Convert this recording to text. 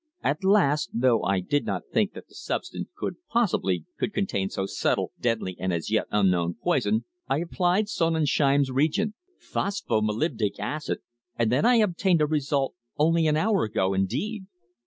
At last though I did not think that the substance could possibly contain so subtle, deadly, and as yet unknown poison I applied Sonnenschein's reagent phosphomolybdic acid and then I obtained a result only an hour ago indeed!"